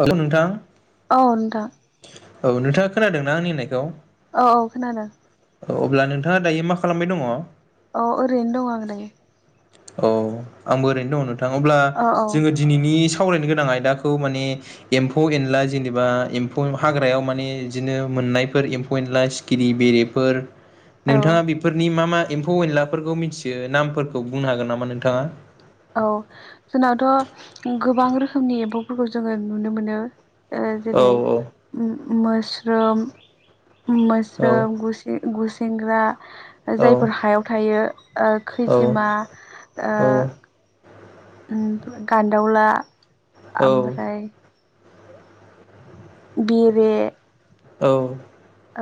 औ नोंथां। औ नोंथां। औ नोंथांङा खोनादों ना आंनि होननायखौ? औ-औ खोनादों। औ अब्ला नोंथांङा दायो मा खालामबाय दंङ? अ ओरैनो दंङ आं दायो। औ आंबो ओरैनो दंङ नोंथां अब्ला औ जोंङो औ दिनैनि सावरायनो गोनां आयदाखौ खौ माने एम्फौ-एनला जेबा एमफौ हाग्रायाव माने इदिनो मोननाय एमफौ ए ला सिखिरि बेरेफोर औ नोंथांङा बेफोरनि मा-मा एम्फौ अनलाफोरखौ मिथियो नामफोरखौ बुंनो हागोन नामा नोंथांङा। औ जोंनावथ' गोबां रोखोमनि एम्फौफोरखौ जोंङो नुनो मोनो औ जेरै मोस्रोम-मोस्रोम गु गुसेंग्रा औ जायफोर हायाव थायो औ खैजिमा ओ औ ओ गान्दोवला औ ओमफ्राय बेरे औ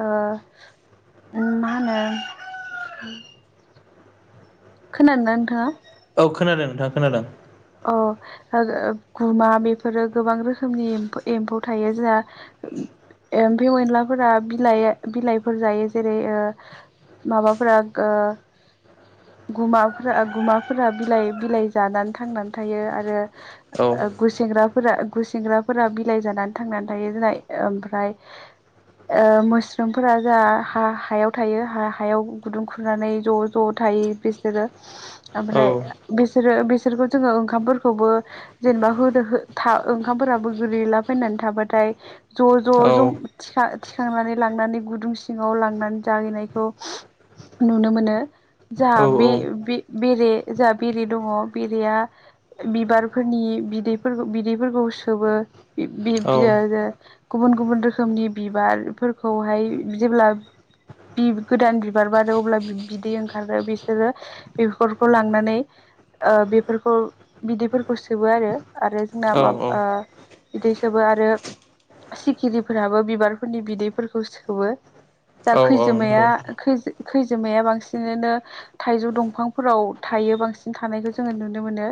ओ मा होनो खोनादोंना नोंथांङा? औ खोनादों नोंथां खोनादों। ओ ओ गुमा बेफोरो गोबां रोखोमनि एम्फौ थायो जोंहा एमफेव एनलाफोरा बिलाइ बिलाइफोर जायो जेरै- ओ माबाफोरा ओ गुमाफोरा गुमाफोरा बिलाइ-बिलाइ जानानै थांना थायो आरो औ ओ गुसेंग्राफोरा गुसेंग्राफोरा बिलाइ जानानै थांनानै थायो जोनाय ओमफ्राय ओ मोस्रोमफोरा जाहा हा-हायाव थायो हा-हायाव गुदुं खुरनानै ज-ज था थायो बिसोरो। ओमफ्राय औ बिसोरो बिसोरखौ जोंङो ओंखामफोरखौबो जेनेबा होदो हो था ओंखामफोराबो गोरैला बायनानै थाबाथाय ज-ज-ज औ थिखा थिखांनानै लांनानै गुदुं सिंङाव लांनानै जाहैनायखौ नुनो मोनो। औ जोहा बे-बे-बेरे जोहा बेरे दंङ बेरेया बिबारफोरनि बिदैफोरखौ बिदैफोरखौ सोबो। बि-बि-बिया रा। गुबुन-गुबुन रोखोमनि बिबारफोरखौहाय जेब्ला। बि गोदान बिबार बारो अब्ला बि-बिदै ओंखारो बिसोरो बेफोरखौ लांनानै। ओ बेफोरखौ बिदैफोरखौ सोबो आरो जोंना औ माबा ओ बिदै सोबो आरो सिखिरिफोराबो बिबारफोरनि बिदैफोरखौ सोबो। दा औ औ नंगौ खैजोमाया खैज खैजेमाया बांसिनानो थाइजौ दंफांफोराव थायो बांसिन थानायखौ जोंङो नु नुनो मोनो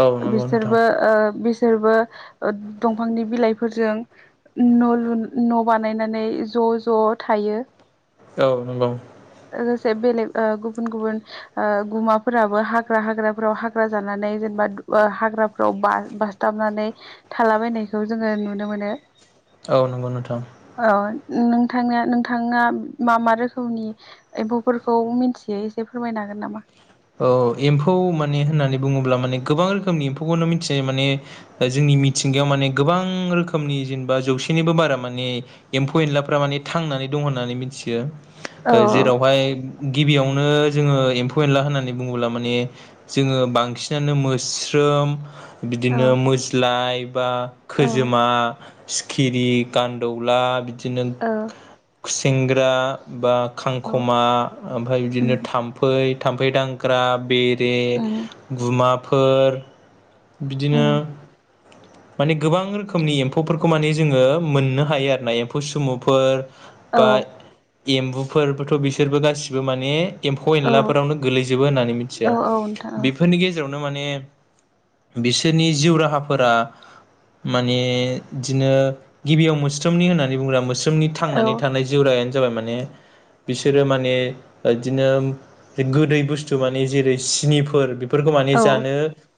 औ नंगौ नोंथां बिसोरबो ओ बिस बिसोरबो ओ दंफांनि बिलाइफोरजों नलु न' बानायनानै ज' ज'-ज' थायो। औ नंगौ। लोगोसे बेलेग ओ गुबुन-गुबुन ओ गुमाफोराबो हाग्रा-हाग्राफोराव हा जानानै जेनेबा दु ओ हाग्राफ्राव बा-बासथाबनानै थालाबायनायखौ जोङो नुनो मो मोनो। औ नंगौ नोंथां। नोंथांआ-नोंथाङा मा-मा रोखोमनि एम्फौफोरखौ मोनथियो एसे फोरमायना गोन नामा? औ एम्फौ माने होननानै बुङोब्ला माने गोबां रोखोमनि एम्फौखौनो मिथिजायो माने जों मिथिंगायाव माने गोबां रोखोमनि जेनेबा जौसेनिबो बारा माने एम्फौ एनलाफ्रा माने थां नानै दं होन्नानै मोनथियो औ ओ जेरावहाय गिबियावनो एम्फौ-एनला होनना नानै बुंओब्ला माने जोङो बांसिनानो मोस्रोम। औ बिदिनो मोज्लाय बा औ खोजोमा। सिखिरि गान्दौला बिदिनो औ खुसेंग्रा बा औ खांख'मा ओमफ्राय बिदिनो उम थाम्फै-थाम्फै दांग्रा बे रे उम गुमाफोर बिदिनो। उम माने गोबां रोखोमनि एम्फौफोरखौ माने जोङो मोननो हायो आरो ना एम्फौ सुमुफोर। औ बा एम्बुफोरबोथ' बिसोरबो गासिबो माने। एम्फौ औ एनलाफोरावनो गोलैजोबो होननानै मिथिया औ औ नोंथां बेफोरनि गेजेरावनो नो माने बिसोरनि जिउ राहाफोरा। माने इदिनो गिबियाव मोस्रोमनि होननानै बुंओब्ला मो नि जोंनि औ थांनानै थानाय जिउ राहाआनो जाबाय माने। बिसोरो माने ओदिनो गोदै बुस्थु माने जेरै- सिनिफोर बे फोरफोरखौ माने औ जानो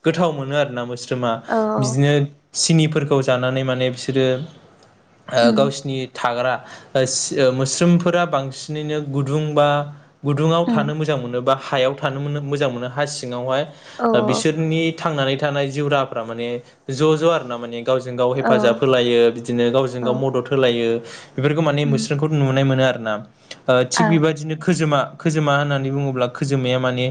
गोथाव मोनो आरोना मोस्रोमा औ बिदिनो सिनिफोरखौ जानानै माने बिसोरो उम गावसिनि थाग्रा। ओ सि ओ मोस्रोमफोरा बांसिनैनो गुदुंबा गुदुङाव उम थानो मोजां मोनो बा हायाव थानो मोनो मोजां मोनो हा सिङावहाय औ बिसोरनि। थांनानै थानाय जिउराहाफ्रा माने ज' ज' आरो ना माने। गावजों गाव औ हेफाजाब होलायो बिदिनो गावजों औ गाव मदद होलायो बेफोरखौ माने उम मोस्रोमखौ नुनाय मोनो आरोना थिग आ बेबादिनो खोजोमा खोजोमा होननानै बुङोब्ला खोजोमाया माने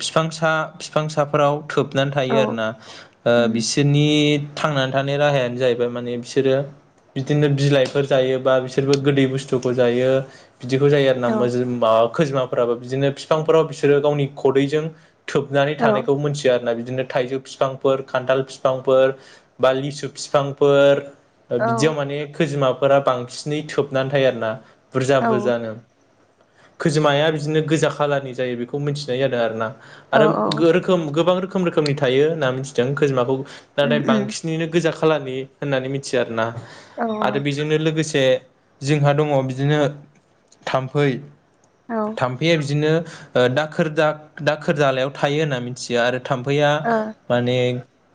फिफांसा फिफांसाफोराव खोबनानै थायो औ आरोना ओ औ बिसोरनि थांनानै थानाय राहायानो जाहैबाय माने बिसोरो बिदिनो बिलाइफोर जायोबा बिसोरबो गोदै बुस्थुखौ जायो बिदिखौ जायो आरो ना मा खोजेमाफोराबो बिदिनो फिफांफोराव बिसोरो गावनि खदैजों थोबनानै थानायखौ मोनथियो आर ना बिदिनो थाइजौ फिफांफोर खान्थाल फिफांफोर बा लिसु फिफांफोर बिदियाव माने खोजिमा फोरा बांसिनै थोबनानै थायो आरो ना बुरजा बुरजानो खोजिमाया बिदिनो गोजा खाालारनि जायो बेखौ मिथिनाय जादों आरो ना आरो गो रोखोम गोबां रोखोम रोखोमनि थायो होनना मिथिदों खैजोमाखौ नाथाय बांसिन गोजा खालाारनि होननानै मिथियो आरोना आरो बेजोंनो लोगोसे जोंहा दङ बिदिनो थाम्फै थाम्फैया बिदिनो ओ दाखोर दाखोर जालायाव थायो होनना मिथियो आरो थाम्फैया माने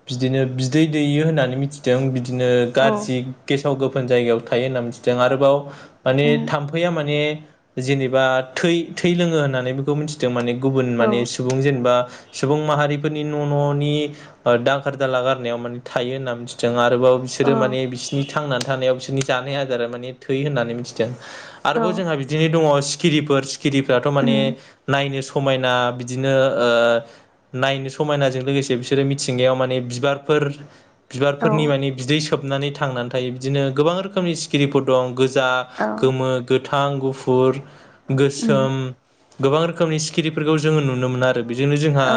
बिदिनो बिदै दैयो होननानै मिथिदों बिदिनो गाज्रि गे साव गोफोन जायगायाव थायो होनना मिथिदों आरोबाव माने थाम्फैया माने जेनेबा थै थै लोङो होननानै बेखौ मिथिदों माने गुबुन माने सुबुं जेनेबा सुबुं माहारिफोरनि न' न'नि दांखोर दाला गारनायाव माने थायो होनना मिथिदों आरो आरोबाव बिसोरो माने बिसोरनि थांनानै थानायाव बिसोरनि जानाय आदारा माने थै होननानै मिथिदों आरोबाव जोंहा बिदिनो दङ सिखिरिफोर सिखिरिफ्राथ माने नायनो स समायना बिदिनो ओ नायनो समायनाजों लोगोसे बिसोरो मिथिंगायाव माने बिबारफोर बिबारफोरनि माने बिदै सोबनानै थांनानै थायो बिदिनो गोबां रोखोमनि सिखिरिफोर दं गोजा गोमो गोथां गुफुर गोसोम गोबां रोखोमनि सिखिरिफोरखौ जोङो नुनो मोनो आरो बेजोंनो जोंहा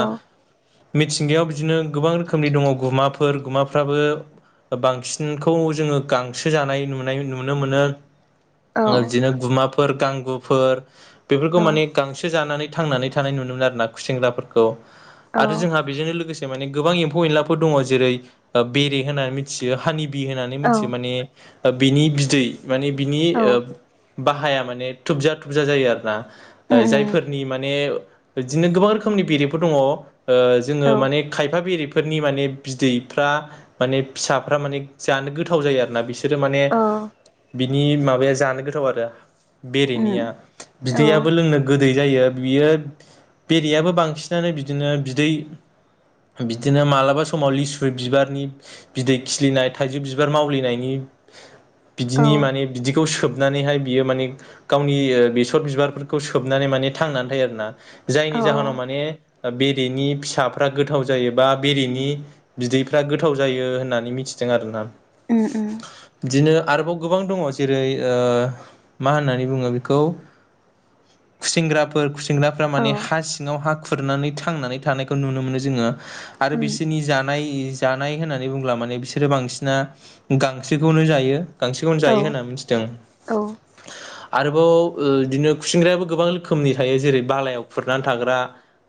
मिथिंगायाव बिदिनो गोबां रोखोमनि दङ गुमाफोर गुमाफ्राबो बांसिनखौ जोङो गांसो जानाय नुनाय नुनो मोनो ओ बिदिनो गुमाफोर गांगांगुफोर बेफोरखौ माने गांसो जानानै थांनानै थानाय नुनो मोनो आरोना खुसेंग्राफोरखौ आरो जोंहा बेजोंनो लोगोसे माने गोबां एम्फौ एनलाफोर दङ जेरै बेरे होननानै मिथियो हानि बि होननानै मोनथियो माने ओ बिनि बिदै माने बिनि ओ बाहाया माने थुबजा थुबजा जायो आरो ना ओ जायफोरनि माने बिदिनो गोबां रोखोमनि बेरेफोर दङ ओ जोङो माने खायफा बेरेफोरनि माने बिदै फ्रा माने फिसाफ्रा माने जानो गोथाव जायो आरोना बिसोरो माने बि नि माबाया जानो गोथाव आरो बेरनिया बिदैयाबो लोंनो गोैदै जायो बियो बेरेयाबो बांसिनानो बिदिनो बिदै बिदिनो मालाबा समाव लिसु बिबारनि बिदै खिलिनाय थाइजौ बिबार मावलिनायनि बिदिनि माने बिदिखौ सोब नानैहाय बियो माने गावनि बेसर बिबारफोरखौ सोबनानै माने थांनानै थायो आरोना जायनि जाहोनाव माने बेरेनि फिसाफ्रा गोथाव जायोबा बेरेनि बिदैफ्रा गोथाव जायो होननानै मिथिदों आरो ना बिदिनो आरोबाव गोबां दङ जेरै ओ मा होननानै बुङो बेखौ खुसिंग्राफोर खुसिं ग्राफ्रा माने हा सिङाव हा खुरनानै थांनानै थानायखौ नुनो मोन जोंङो आरो बिसिनि जानाय होननानै बुंब्ला माने बिसोरो बांसिना गांसोखौनो जायो गांसोखौनो जायो होनना मिथिदों आरोबाव ओ बिदिनो खुसिंग्रायाबो गोबां रोखोमनि थायो जेरै बालायाव खुरनानै थाग्रा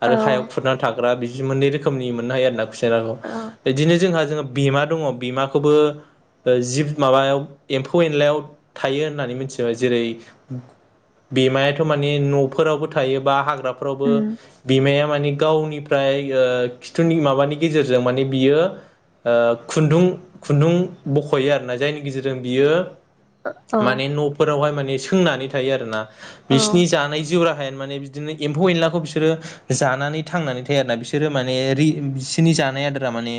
आरो हायाव खुरनानै थाग्रा बिदि मोननै रोखोमनि मोननो हायो आर ना खुइसिंग्राखौ बिदिनो जोंहा जोङो बेमा दंङ बेमाखौबो जिब माबायाव एम्फौ एनलायाव थायो होननानै मिथियो जेरै बेमायाथ' माने न'फोरावबो थायोबा हाग्राफोरावबो बेमाया माने गावनिफ्राय ओ खिथुनि माबानि गेजेरजों माने बियो ओ खुन्दुं खुन्दुं बख'यो आरोना जायनि गेजेरजों बियो माने न'फोरावहाय माने सोंनानै थायो आरोना बिसिनि जानाय जिउरा हाया बिदिनो एम्फौ एनलाखौ बिसोरो जानानै थांनानै थायो आरोना बिसोरो माने रि बिसोरनि जानाय आदारा माने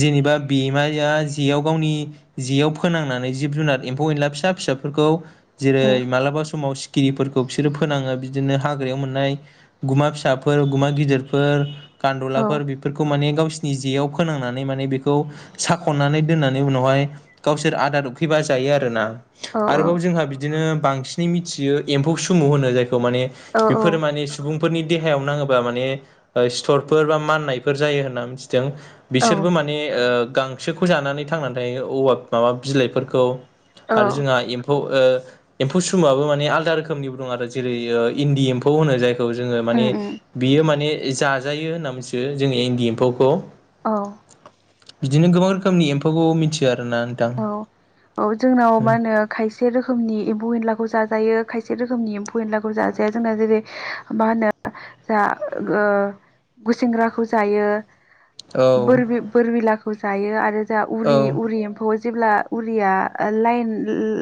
जेनेबा बेमाया जेयाव गावनि जेयाव फोनांनानै जिउ जुनार एम्फौ एनला फिसा फिसाफोरखौ जेरै मालाबा समाव सि खिरिफोरखौ बिसोरो फोनाङो बिदिनो हाग्रायाव मोननाय गुमा फिसाफोर गुमा गिदिरफोर गान्दुलाफोर बेफोरखौ माने गावसिनि जेआव फोनांनै बेखौ साख'नानै दोननानै उनावहाय गावसोर आदार उखैबा जा यो आरोना आरोबाव जों बिदिनो बांसिनै मोनथियो एम्फौ सुमु होनो जाय खौ माने बेफोर माने सुबुं फोरनि देहायाव नांङोबा माने सिथरफोर बा माननायफोर जायो होनना जों औ बिसोरबो माने ओ गांसोखौ जानानै थांनानै थायो औवा माबा बिलाइफोरखौ औ आरो जोंहा एम्फौ ओ एम्फौ सुमुआबो माने आलदा रोखोमनिबो दं आरो जेरै ओ इन्दि एम्फौ होनो जाय खौ जोङो माने उम उम बियो माने जाजायो होनना मिथियो जोंनि इन्दि एम्फौखौ। अ। बिदिनो गोबां रोखोमनि एम्फौखौ मिथियो आरोना नोंथां औ औ जोंनाव मा होनो खाय से रोखोमनि एम्फौ एनलाखौ जाजायो खायसे रोखोमनि एम्फौ एनलाखौ जाजाया जोंना जेरै मा होनो जा ओ गुसेंग्राखौ जायो। औ बोर बोरबिलाखौ जायो आरो जा औ उरि उरि एम्फौ जेब्ला उरिया लाइन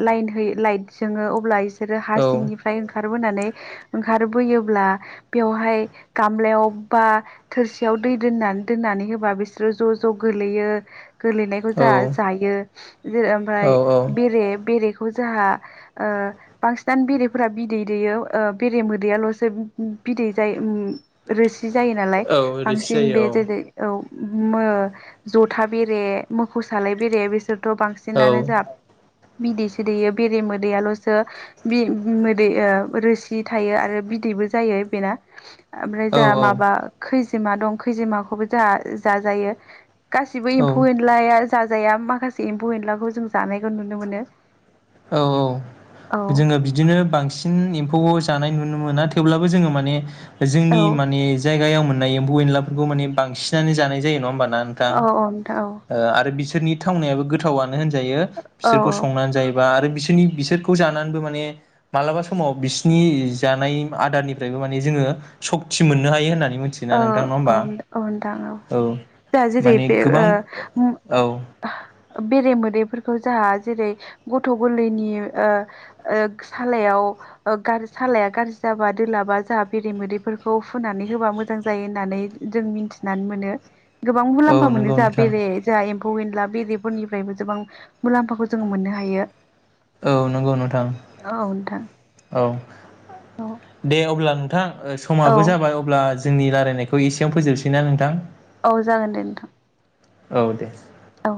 लाइन हो लाइट जोंङो अब्ला इसोर हासिंनिफ्राय ओंखा ओखारबोनानै ओंखारबोयोब्ला बेयावहाय गामलायाव बा थोरसियाव दै दोनना दोननानै होबा बिसोरो ज' ज' गोलैयो गोलैनायखौ औ जाहा जायो। औ ओमफाय औ बेरे ‌ बेरेखौ जाहा ओ बांसिनानो बेरेफोरा बिदै दैयो ओ बेरे मोदैयाल'सो बिदै जायो ओम रोसि जायो नालाय औ रोसि बांसिन बे जायो जेरै औ। मो जथा बेरे मोखौ सालाय बेरे बिसोर थ' औ बांसिनानो जा बिदैसो दैयो बेरे मोदैयाल'सो बि मोदै ओ रोसि थायो आरो बिदै बो जायो बेना। ओमफ्राय जाहा औ माबा औ खैजिमा दं खैजिमाखौबो जाहा जाजायो। गासिबो औ एम्फौ एनलाया जाजाया माखासे एम्फौ एनलाखौ जों जानायखौ नुनो मोनो। औ औ जोङो बिदिनो बांसिन एम्फौ जानाय नुनों मोना थेवब्लाबो जों माने औ जोंनि माने जायगायाव मोननाय एम्फै एनलाफोरखौ माने बांसिनानो जानाय जायो नंङा होनबा ना नोंथां? औ नोंथां औ आरो बि सोरनि थावनायाबो गोथावानो होनजायो औ बिसोरखौ संनानै जायो बा आरो बिसिनि बिसोरखौ जानानैबो माने मालाबा समाव बिसिनि जानाय आदारनिफ्रायबो माने जोङो सकति मोननो हायो होननानै औ मिथियोना नोंथां नाङा होमबा? औ। दा जेरै माने बे गोबां ओ मो औ बेरे मोदैफोर खौ जाहा जेरै गथ' गोरलैनि ओ ओ सालायाव गार सालाया गाज्रि जाबा दोलाबा जोंहा बेरे मोदैफोरखौ फुननानै होबा मो जां जायो होननानै जों मिथिनानै मोनो गोबां औ मुलाम्फा मोनो नंगौ जोहा नोंथां बेरे जाहा एम्फौ फौ एनला बेरेफोरनिफ्रायबो जोबां मुलाम्फाखौ जोङो ओ मोननो हायो। औ नंगौ नोंथां औ नोंथां औ औ दे अब्ला थां औ समाबो जाबाय अब्ला जोंनि रायलायनायखौ एसेयावनो फोजोबनोसैना नोंथां? औ जागोन दे नोंथां। औ दे। औ